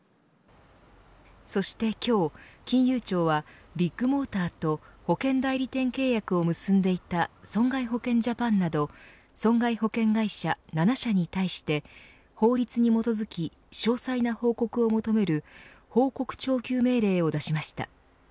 そして今日、金融庁はビッグモーターと保険代理店契約を結んでいた損害保険ジャパンなど損害保険会社７社に対して法律に基づき詳細な報告を求める報告徴求命令を出しました。